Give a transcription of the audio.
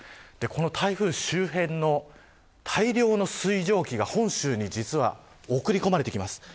台風周辺の大量の水蒸気が本州に実は、送り込まれてきます。